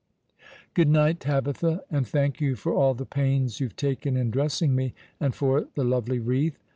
" Good night, Tabitha, and thank you for all the pains you've taken in dressing me — and for the lovely wreath.